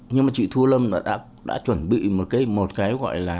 nhưng mà chị thu lâm đã chuẩn bị một cái gọi là